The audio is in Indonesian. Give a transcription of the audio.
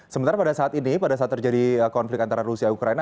sementara pada saat ini pada saat terjadi konflik antara rusia ukraina